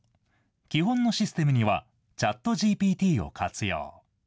基本のシステムにはチャットＧＰＴを活用。